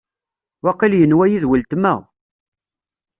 Waqil yenwa-yi d uletma.